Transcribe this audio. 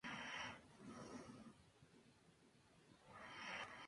Baron-Cohen es hijo de Judith y Vivian Baron-Cohen.